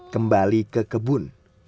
kembali ke kebun